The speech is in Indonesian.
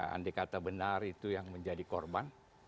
andai kata benar itu yang menjadi korban